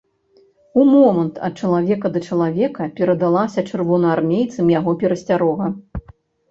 Умомант ад чалавека да чалавека перадалася чырвонаармейцам яго перасцярога.